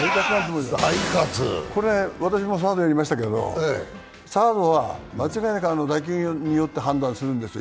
これ、私もサードやりましたけどサードは間違いなく、打球によって判断するんですよ。